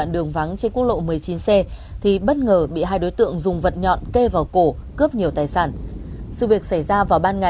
để tiếp tục làm sao